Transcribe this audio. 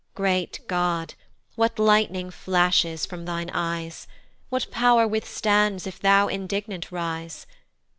Great God, what light'ning flashes from thine eyes? What pow'r withstands if thou indignant rise?